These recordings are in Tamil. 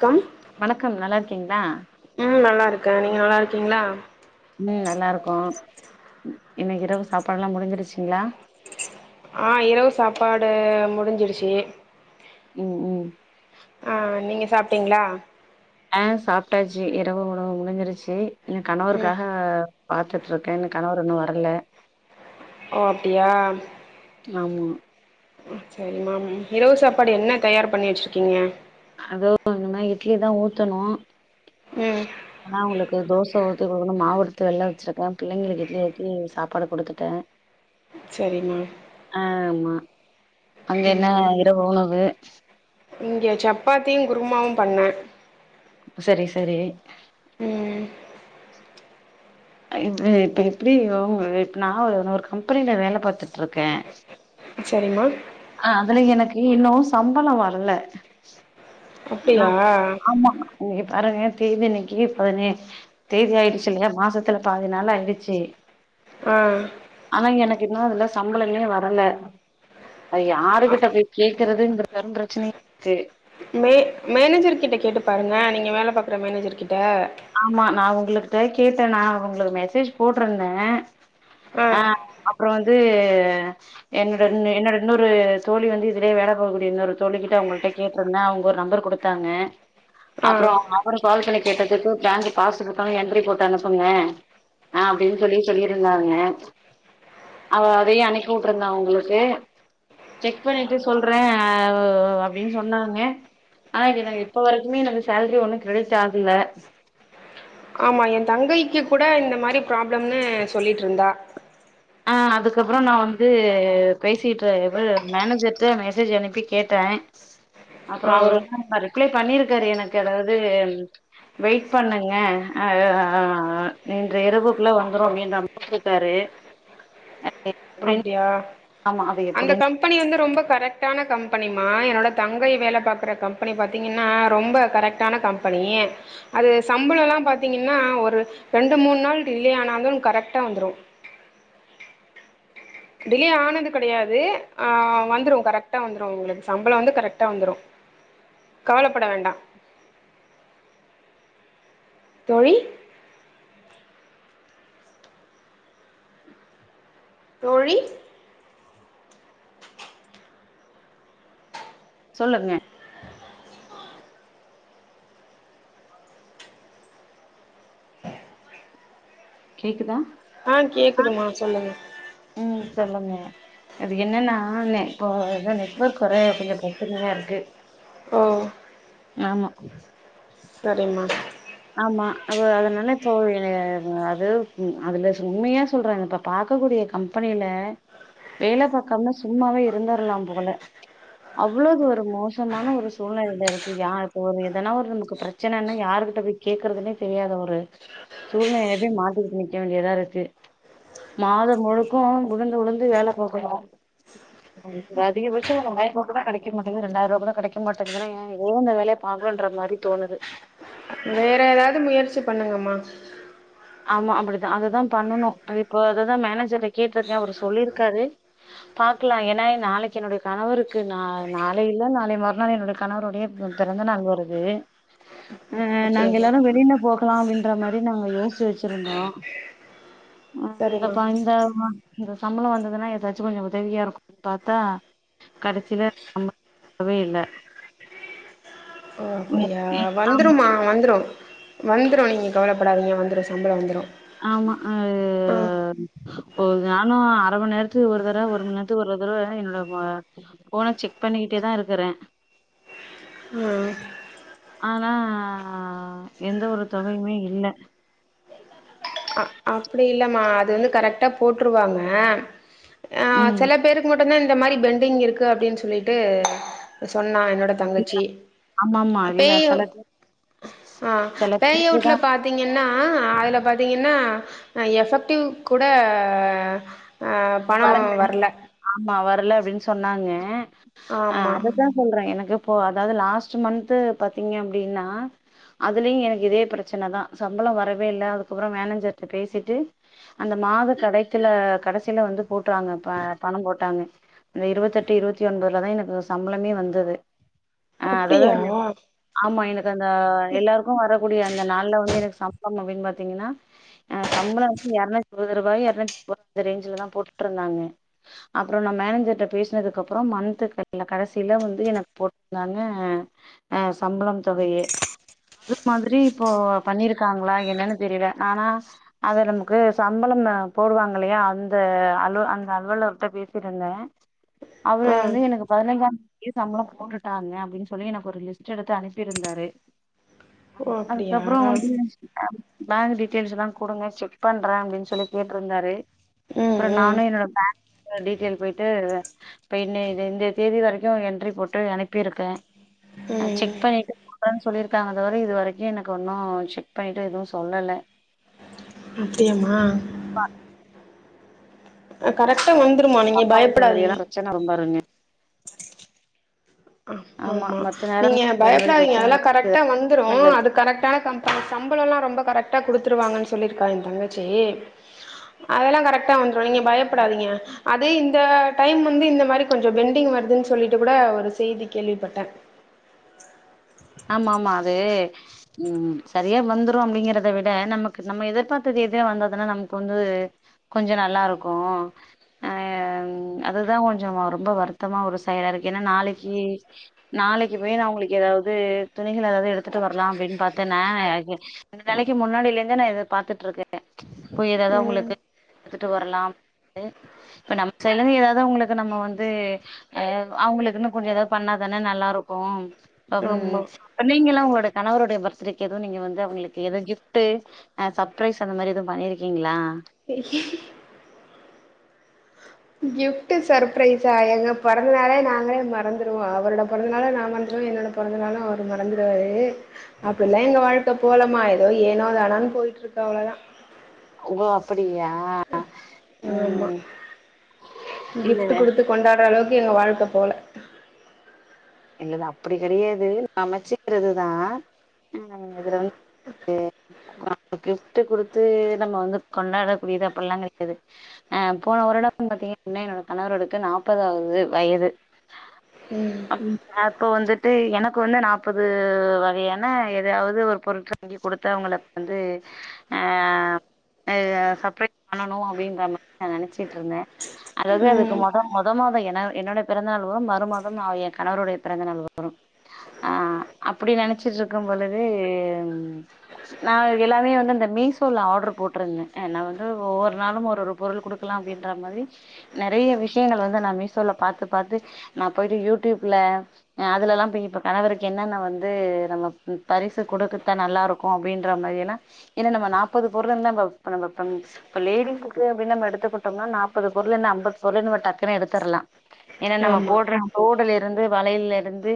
கம் வணக்கம், நல்லா இருக்கீங்ளா இருக்க நீங்க நல்லா இருக்கீங்ளா ம் நல்லா இருக்கோ, இ என்ன இரவு சாப்பாடுலா முடிஞ்சிருச்சிங்ளா ஆ, இரவு சாப்பாடு முடிஞ்சிடுச்சு ம் ம் ஆ நீங்க சாப்ட்டீங்ளா ஆ சாப்ட்டாச்சி இரவு உணவு முடிஞ்சிருச்சி என ம் கணவருக்காஹ பாத்துட்ருக்க இன்னு கணவர் இன்னு வரல ஓ அப்டியா ஆமா செரிமாம் இரவு சாப்பாடு என்ன தயார் பண்ணி வெச்சிருக்கிங்க அது இனிமே இட்லிதா ஊத்தணு ம் ஆனா அவுங்களுக்கு தோச ஊத்தி குடுக்கணு மாவெடுத்து வெளில வெச்சிருக்க பிள்ளைங்களுக்கு இட்லிய ஊத்தி சாப்பாடு குடுத்துட்ட சரிம்மா ஆமா அங்க என்ன ம் இரவு உணவு இங்க சப்பாத்தியு குருமாவு பண்ண சரி சரி ம் இ இப்ப எப்டி அ இப்ப நா நா ஒரு கம்பெனில வேல பாத்துட்ருக்க செரிம்மா அ அதுல எனக்கு இன்னு சம்பள வர்ல ந அப்டியா ஆமா இங்கே பாருங்க தேதி இன்னக்கு பதினே தேதி ஆயிடுச்சில்லையா மாசத்துல பாதி நாள் ஆயிடுச்சு ஆ ஆனா எனக்கு இன்னு அதுல சம்பளமே வரல நா அ யாருகிட்ட போய் கே க்கறதுங்றது பிரச்சனை இருக்கு மே மேனேஜர் கிட்ட கேட்டு பாருங்க நீங்க வேல பாக்குற மேனேஜர் கிட்ட ஆமா நா உங்களுகிட்ட கேட்டனா உங்ளுக்கு மெசேஜ் போட்ருந்த அ அப்ற வந்து என்னோட இன் என்னோட இன்னொரு தோழி வந்து இதுலயே வேலை பாக்ககூடிய இன்னொரு தோழிகிட்ட அவங்கள்ட்ட கேட்ருந்த அவங்க ஒரு நம்பர் குடுத்தாங்க அப்றோ ஆ அவரு கால் பண்ணி கேட்டதுக்கு கேட்டதுக்கு பேங்க் பாஸ் புக்கல்லா என்ட்ரி போட்டு அனுப்புங்க ஆ அப்டின்னு சொல்லி சொல்லிருந்தாங்க, அவ அதையு அனுப்பி வுட்டுருந்தா அவங்களுக்கு செக் பண்ணிட்டு சொல்றே அப்டின்னு சொன்னாங்க ஆனா எனக்கு இப்ப வரைக்குமே எனக்கு சேலரி ஒன்னு கிரெடிட் ஆகல ஆமா என் தங்கைக்கு கூட இந்த மாரி ப்ராப்ளம்னு சொல்லிட்டு இருந்தா அ அதுக்கப்பறோ நா வந்து பேசிட்டு இவரு மேனேஜர்ட்ட மெசேஜ் அனுப்பி கேட்ட, அப்பறோ ஆ அவரு என்னன்னா ரிப்ளை பண்ணிருக்காரு எனக்கு அதாவது வெயிட் பண்ணுங்க அ அ அ இரவுக்குள்ள வந்துரு அப்டின்ற மாரி சொல்ட்டாரு அப்டியா ஆமா அது அந்த எப்டின்னு கம்பெனி வந்து ரொம்ப கரெக்டான கம்பெனிமா என்னோட தங்கை வேல பாக்குற கம்பெனி பாத்தீங்கன்னா ரொம்ப கரெக்டான கம்பெனி அது சம்பளம்லா பாத்தீங்கனா ஒரு ரெண்டு மூணு நாள் டிலே ஆனாலு கரெக்டா வந்துரும் டிலே ஆனது கடையாது அ வந்துரு, கரெக்டா வந்துரு உங்களுக்கு சம்பளம் வந்து கரெக்டா வந்துரு கவலைப்பட வேண்டா. தோழி தோழி சொல்லுங்க கேக்குதா ஆ கேக்குதுமா, சொல்லுங்க ம் சொல்லுங்க, அது என்னன்னா நெ இப்போ ஏதோ நெட்வொர்க் வேற கொஞ்சோ பிரச்சனையா இருக்கு, ஓ ஆமா சரிம்மா ஆமா அது அதனால இப்போ எ அது அதுல உண்மையா சொல்றாங்க இப்ப பாக்கக்கூடிய கம்பெனில வேல பக்காம சும்மாவே இருந்துரலா போல அவ்லாது ஒரு மோசமான ஒரு சூழ்நிலையில இருக்கு யா இப்ப ஒரு எதனா ஒரு நமக்கு ப்ரச்சனைனா யாருகிட்ட போய் கேக்குறதுனே தெரியாத ஒரு சூழ்நிலையில போய் மாட்டிட்டு நிக்க வேண்டியதா இருக்கு மாதம் முழுக்கும் உளுந்து உளுந்து வேல பாக்க்குறோ அதிகபட்சம் ஒரு ஆயிரவா கூட கெடைக்க மாட்டேங்கது ரெண்டாயருவ கெடைக்க மாட்டேங்கதுன்னா எ ஏ இந்த வேலைய பாக்குரோம்ன்ற மாரி தோணுது வேற ஏதாது முயற்சி பண்ணுங்கம்மா ஆமா அப்டிதா அததுதா பண்ணணும் இப்ப அததா மேனேஜர்ட்ட கேட்டிருக்கே அவ்ரு சொல்லியிருக்காரு பாக்கலா ஏன்னா நாளைக்கி என்னுடைய கணவருக்கு நா நாளை இல்ல நாளை மறுநாள் என்னுடைய கணவருடைய பிறந்தநாள் வருது ஆஹ நாங்க அப்டியாமா எல்லாரு வெளியில போ லா அப்டின்ற மாரி நாங்க யோ சிச்சு வச்சிருந்தோ அஹ சரிம்மா எங்கப்பா இந்த மந் இந்த சம்பளம் வந்ததுன்னா ஏதாச்சும் கொஞ்சம் உதவியா இருக்கும்னு பாத்தா கடைசியில சம்பளம் வேறவே இல்ல ஓ அப்டியா ஆமா வந்துரும்மா வந்துரும் வந்துரும் நீங்க கவலைப்படாதீங்க வந்துரும் சம்பளம் வந்துரும் அது ஓ நானு அர மண் நேரத்துக்கு ஒரு தடவ ஒரு மண் நேரத்துக்கு ஒரு தடவ என்னோட ஃபோனை செக் பண்ணிக்கிட்டேதா இருக்கறே ஆ ஆனா எந்த ஒரு தொகையுமே இல்ல அ அப்டி இல்லமா அது வந்து கரெக்டா போட்டுருவாங்க ஆஹ் ம். செல பேருக்கு மட் டு தா இந்த மாரி பெண்டிங் இருக்கு அப்டின்னு சொல்லிட்டு சொன்னா என்னோட இல்ல தங்கச்சி ஆமாமா. இல்ல பேயு சில பேர் ஆஹ் சில பேருக்கு பேயவுட்ல தான் பாத்தீங்கன்னா ஆஹ் அதுல பாத்தீங்கன்னா ஆஹ் எஃபெக்டிவ் கூட ஆஹ் பணம் வர்ல வர்ல அப்டின்னு சொன்னாங்க ஆ ஆமா அதுதா சொல்றே எனக்கு அப்போ அதாது லாஸ்ட்டு மன்த்து பாத்தீங்க அப்டின்னா அதுலயு எனக்கு இதே பிரச்சன தா சம்பளோ வரவே இல்ல அதுக்கப்பறோ மேனேஜர்ட்ட பேசிட்டு அந்த மாத கடக்கில கடைசி [unintelligible] ல வந்து போட்ருவாங்க ப பண போட்டாங்க இந்த இருவத்தெட்டு இருவத்தி ஒன்பதுலதா எனக்கு சம்பளமே வந்தது ஆ அதாது அப்டியா [unintelligible] ஆமா என்ன அந்த எல்லாருக்கு வரக்கூடிய அந்த நாள்ல வந்து எனக்கு [unintelligible] பாத்திங்கனா ஆ சம்பளோ வந்து எரநூத்தி இருவது ரூவாயோ எரநூத்தி முப்பது அந்த ரேஞ்ச் இதுல தா போட்டுருந்தாங்க அப்றோ நா மேனேஜர்ட்ட பேசனதுக்கப்பறோ மன்த் [inaudible] கடைசில வந்து எனக்கு [unintelligible] ஆ சம்பளோ தொகையை [unintelligible] அது மாதிரி இப்போ பண்ணிருக்காங்களா என்னன்னு தெரியல ஆனா அத நமக்கு சம்பளம் போடுவாங்கல்லயா அந் த அலோ அந்த அலுவலர்ட்ட பேசிட்ருந்தே அவரு ஆ வந்து எனக்கு பதினஞ்சாம் யே சம்பளம் போட்டுட்டாங்க அப்டின்னு சொல்லி எனக்கு ஒரு லிஸ்ட் எடுத்து அனுப்பிருந்தாரு ஆ ஓ அப்டியா அதுக்கப்றோ வந்து [unintelligible] பேங்க் டீட்டைல்ஸ்லா குடுங்க செக் பண்ற அப்டின்னு சொல்லி கேட்டுருந்தாரு. ம் அப்றோ ம் நானு என்னோட பேங் க டீட்டியல் போய்ட்டு [unintelligible] இந்த தேதி வரைக்கும் என்ட்ரி போட்டு அனுப்பிருக்கே அ ம் செக் பண்ணிட்டு தரன்னு சொல்லிருக்காங்க தவர இது வரைக்கு எனக்கு ஒன்னும் செக் பண்ணிட்டு எதுவும் சொல்லல இப்பயுமா [unintelligible] ஆஹ் கரக் ட்ட வந்துருமா நீங்க இந்த மாரி பயப்படாதீங்க எல்லா பிரச்சன வரும் பாருங்க ஆமா ஆமாமா மத்த நேரம் நீங்க இந்த மாரி பயப்படாதிங்க பிரச்சன அதெல்லா வரு கரெக்டா வந்துரு அது கரெக்டான கம்பெனி சம்பளலெல்லா ரொம்ப கரெக்டா குடுத்துருவாங்கன் சொல் சொல்லிருக்கா ஏ தங்கச்சி அதெல்லா கரெக்ட் கரெக்டா வந்துரு நீங்க பயப்படாதிங்க அதே இந்த டைம் வந்து இந்த மாரி கொஞ்சோ பெண்டிங் வருதுன்னு சொல்லிட்டு கூட ஒரு செய்தி கேள்விப்பட்டே ஆமா ஆமா அது ம் சரியா வந்துரு அப்டிங்கறத விட நமக்கு நம்ம எதிர்பாத்த தேதில வந்ததுனா நமக்கு வந்து கொஞ்சோ நல்லாருக்கு அ அதுதா கொஞ்சோ ரொம்ப வருத்தமா ஒரு செயலா இருக்கு ஏனா நாளைக்கு நாளைக்கு போய் நா அவங்ளுக்கு எதாவுது [unintelligible] துணிகளானது எடுத்துட்டு வரலா அப்டின்னு பாத்தேன்ன ரெண்டு நாளைக்கு முன்னாடிலேந்தே நா இத பாத்துட்டுருக்கே போய் எதாது ம் அவங்களுக்கு எடுத்துட்டு வரலாம்னு இப்ப நம்ம சைடுலருந்து எதாது உங்களுக்கு நம்ம வந்து ஆ அவங்களுக்குன்னு கொஞ்சோ எதாது பண்ணாதான நல்லாருக்கு ஆமா அம் நீங்களா உங்களோட கணவருடைய பர்த்டேக்கு எது நீங்க வந்து அவங்களுக்கு எது கிஃப்ட்டு அ சர்ப்ரைஸ் அந்த மாரி எதுவு பண்ணிருக்கிங்ளா கிஃட்டு சர்ப்ரைஸா எங்க பொறந்தநாளே நாங்களே மறந்துருவோ அவரோட பொறந்த நாளே நா மறந்துருவே என்னோட பொறந்தநாளு அவரு மறந்துருவாரு அப்டிலா எங்க வாழ் தோ போலமா ஏதோ ஏனோ தானோன் போயிட்ருக்கு அவ்ளோதா அவுங்க அப்படி ஆமா கிஃப்ட்டு இல்ல குடுத்து கொண்டாடுறளவுக் எங்க வாழ்க்க போல இல்ல அது அப்டி கெடையாது அமைச்சுக்கிறதுதா ஆ இதுல வந்து [inaudible] கிஃப்ட்டு குடுத்து நம்ம வந்து கொண்டாடக்கூடியது அப்டிலா கெடையாது ஆ போன வருடம்னு பாத்தீங்கனா என்னோட கணவரவருக்கு நாப்பதாவது வயது ம் அப்போ வந்துட்டு எனக்கு வந்து நாப்பது வகையான எதயாவது ஒரு பொருட்க வாங்கி குடுத்து அவங்கள வந்து ஆ ஆ சர்ப்ரைஸ் பண்ணணு அப்டின்ற மாரி நா நெனைச்சுட்ருந்தே அதாது அதுக்கு ம் மொத மொத மாத என என்னோட பிறந்தநாளு வரு மறு மாதம் நா எ கணவருடைய பிறந்த நாள் வரு ஆ அப்டி நெனச்சிட்டு இருக்கும்பொழுது நா எல்லாமே வந்து அந்த மீசோல ஆட்ரு போட்ருந்தே ஆ நா வந்து ஒவ்வொரு நாளு ஒரு ஒரு பொருள் குடுக்கலா அப்டின்றா மாரி நெறைய விஷயங்கள் வந்து நா மீசோல பாத்து பாத்து நா போய்ட்டு யூடியூப்ல அ அதுலலாம் போயி இப்ப கணவருக்கு என்னென்ன வந்து நம்ம ம் பரிசு குடுக்கத்தா நல்லா இருக்கு அப்டின்ற மாரியானா இல்ல நம்ம நாப்பது பொருளுனு நம்ப இப்ப நம்ப இப்ப இப்ப லேடிஸுக்கு அப்டினு நம்ம எடுத்துக்கிட்டோம்னா நாப்பது பொருளு என்ன ஐம்பது பொருள நம்ம டக்குன்னு எடுத்துர்லா ஏன்னா நம்ம ஆமா போடுற தோடுலேந் இருந்துப் வளையலேருந்து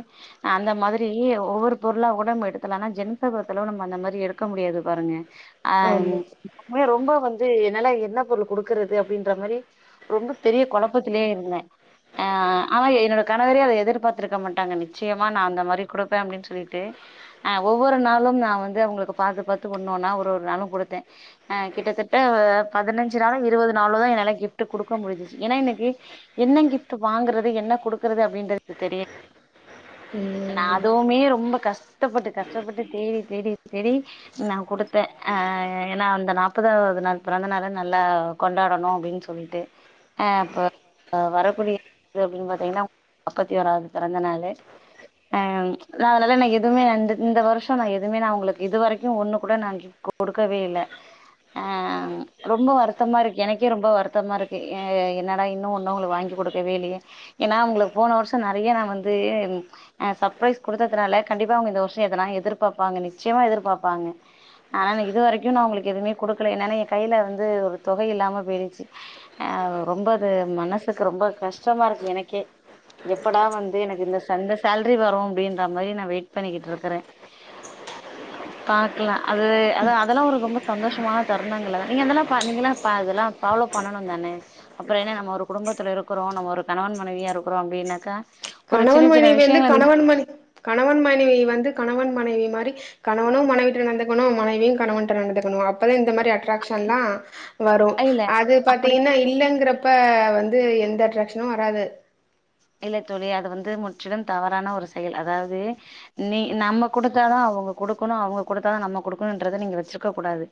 அந்த மாத்ரி ஒவ்வொரு பொருளா கூடா நம்ப எடுத்தலா ஆனா ஜென்ட்ஸ பொறுத்த அளவு நம்ம அந்த மாரி எடுக்க முடியாது பாருங்க ஆஹ் ஆமா நீங் [inaudible] மே ரொம்ப வந்து என்னால என்ன பொருள் குடுக்கறது அப்டின்ற மாரி ரொம்ப பெரிய கொழப்பத்திலியே இருந்தே ஆஹ் ஆனா என்னோட கணவரே அத எதிர்ப பாத்துருக்க மாட்டாங்க நிச்சயமா நா அந்த மாரி குடுப்பே அப்டின்னு சொல்லிட்டு அஹ் ஒவ்வொரு நாளும் நா வந்து அவ்ங்களுக்கு பாத்து பாத்து ஒண்ணும்னா ஒரு ஒரு நாளும் குடுத்தே அஹ் கிட்டத்தட்ட பதினஞ்சு நாள் இருபது நாளோ தா என்னால கிப்ட் குடுக்க முடிஞ்சச்சு ஏன்னா எனக்கு என்ன கிப்ட் வாங்கறது என்ன குடுக்குறது அப்டின்றதே [unintelligible] தெரிய நா ம் அதுவுமே ரொம்ப கஷ்டப்பட்டு கஷ்டப்பட்டு தேடி தேடி தேடி நா குடுத்தே அ ஏன்னா அந்த நாப்பதாவது நாள் பிறந்த நாள நல்லா கொண்டாடணு அப்டின் சொல்லிட்டு அ இப்ப அ வரக்கூடிய ரு அப்டின் பாத்தீங்கன்னாவ் நாப்பத்தி ஒராவ்து பிறந்தநாளு அன் ளானால நா எதுமே அந்து இந்த வருஷோ நா எதுமே நா உங்ளுக் இது வரைக்கு ஒண்ண கூட நான்கி கொடுக்கவே இல்ல ஆன் ரொம்ப வருத்தமா இருக் எனக்கே ரொம்ப வருத்தமா ருக்கு எ என்னடா இன்னு ஒன்னு அவங்களு வாங்கி குடுக்கவே இல்லியே ஏன்னா அவ்ங்ளுக் போன வருஷோ நறையா நா வந்து என் அ சப்ரைஸ் குடுத்ததுனால கண்டிப்பா அவ்ங்க இந்த வர்ஷோ எதுனா எதிர்பாப்பாங்க நிச்யமா எதிர்பாப்பாங்க ஆனான இது வரைக்கு நா உங்களுக்கு எதுமே குடுக்ல என்னன்னா என் கைய்ல இருந்து ஒரு தொகை இல்லாம போய்ருச்சு ஆவ் ரொம்ப அது மனசுக்கு ரொம்ப கஷ்டமா இருக் எனக்கே எப்படா வந்து எனக் இந்த சந்த சேல்ரி வரு அப்டின்ற மாரி நா வெய்ட் பண்ணிக்கிட்ருக்குறே அ பாக்லா அதுது அதா அதல்லா ஒரு ரொம்ப சந்தோஷம தருணங்கள நீங்க அதெல்லா பா நீங்கெல்லா பா அதெல்லா ஃபாலோ பண்ணணு தானே அப்றோ என்ன நம்ம ஒரு குடும்பத்துல இருக்குறோ நம் ஒரு கணவன் மனைவியா இருக்கிறோம்னு வீனக்கா கணவன் மனைவி ந்து கணவன் மனை கணவன் மனைவியை வந்து கணவன் மனைவி மாரி கணவனு மனைவிட்ட நந்துக்கணு மனைவியு கணவன்ட்ட நடந்துக்கணும் அப்பதான் இந்த மாதிரி அட்ராக்ஷன் எல்லாம் வரு இல்ல அது அப்டி பாத்தீங்கன்னா இல்லங்குறப்ப வந்து எந்த அட்ராக்ஷனு வராது இல்ல துலி அது வந்து முற்றிலும் தவறான ஒரு செயல் அதாவ்து நீ நம்ம குடுத்தாதா அவங்க குடுக்குணு அவங்க குடுத்தாதா நம்ம குடுக்குணுன்றத நீங்க வச்ருக்க கூடாது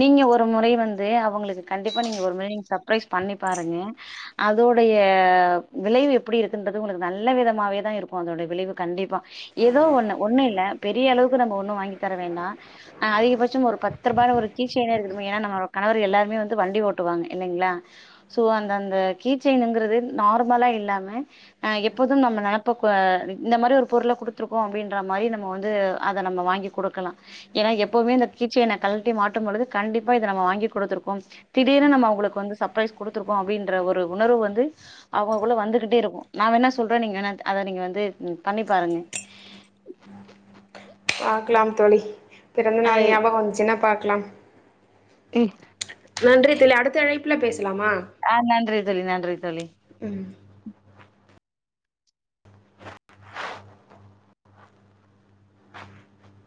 நீங்க ஒரு முறை வந்து அவங்களுக்கு கண்டிப்பா நீங்க ஒரு முறை நீ சப்ரைஸ் பண்ணி பாருங்க அதோடைய விளைவு எப் அப்டி இருக்குன்றது உனது நல்ல விதமாவே தா இருக்கு அதோட விளைவு கண்டிப்பா ஏதோ ஒன்னு ஒன்னு இல்ல பெரிய அளவுக்கு நம்ம ஒன்னு வாங்கி தர வேண்டா அ அதிகபட்சம் ஒரு பத் ரூபால ஒரு கீச்சைனே இருக்கட்டுமே ஏன்னா நம்ம கணவரு எல்லாருமே வந்து வண்டி ஓட்டுவாங்க இல்லைங்ளா சோ அந்த அந்த கீச்சைனுங்கறதென் நார்மலா இல்லாம அ எப்போதும் நம்ம நெனப்ப க்வா இந்த மாரி ஒரு பொருள குடுத்துருக்கோ அப்டின்ற மாரி நம்ம வந்து அத நம்ப வாங்கி குடுக்கலா ஏன்னா எப்போமே இந்த கீச்சைன்ன கழ்ட்டி மாட்டும் பொழுது கண்டிப்பா இத நம்ம வாங்கி கொடுத்துருக்கும் திடீர்னு நம்ம அவ்ங்களுக் வந்து சப்ரைஸ் குடுத்துருக்கோ அப்டின்ற ஒரு உணர்வு வந்து அவக்குள்ள வந்துகிட்டே இருக்கு நா வேணா சொல்ற நீங்க வேனான்த் அத நீங்க வந்து ம் பண்ணி பாருங்க பாக்கலாம் தோழி பிறந்த அ நாள் ஞாபகோ வந்துச்சின்னா பார் க்லாம் இட் நன்றி தோழி அடுத்த அழைப்புல பேசு ஆ நன்றி தோழி நன்றி தோழி ம்